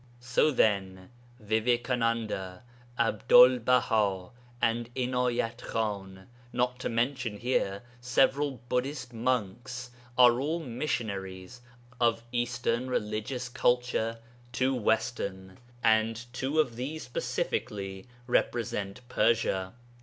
So, then, Vivekananda, Abdu'l Baha, and Inayat Khan, not to mention here several Buddhist monks, are all missionaries of Eastern religious culture to Western, and two of these specially represent Persia.